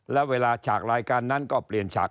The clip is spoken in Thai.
แล้วเวลาฉากรายการนั้นก็เปลี่ยนฉาก